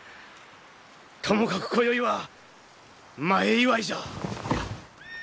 ともかくこよいは前祝いじゃ。